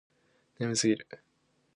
眠すぎる